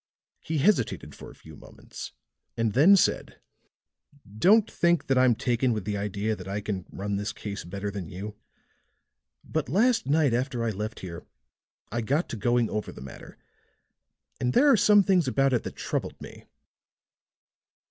He hesitated for a few moments, and then said: "Don't think I'm taken with the idea that I can run this case better than you; but last night after I left here, I got to going over the matter, and there are some things about it that troubled me."